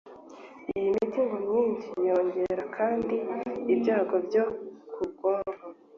iyi miti ngo myinshi yongera kandi ibyago byo ku bwonko